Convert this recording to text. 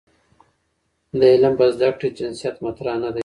د علم په زده کړه کې جنسیت مطرح نه دی.